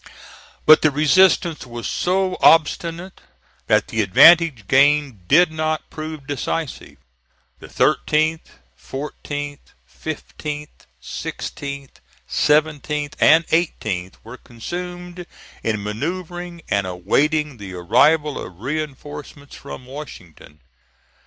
But the resistance was so obstinate that the advantage gained did not prove decisive. The 13th, 14th, 15th, 16th, 17th, and 18th, were consumed in manoeuvring and awaiting the arrival of reinforcements from Washington.